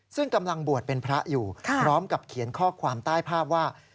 ซึ่งกำลังบวชเป็นพระอยู่พร้อมกับเขียนข้อความใต้ภาพว่า